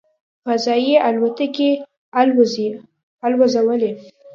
"فضايي الوتکې" الوځولې.